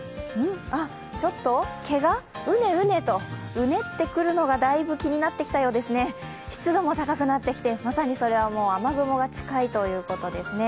ちょっと毛がうねうねとうねってくるのがだいぶ気になってきたようですね、湿度も高くなってきてまさにそれはもう雨雲が近いということですね。